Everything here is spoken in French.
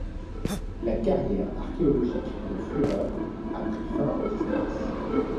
La carrière archéologique de Führer a pris fin en disgrâce.